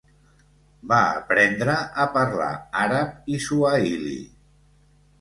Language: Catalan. Va aprendre a parlar àrab i suahili.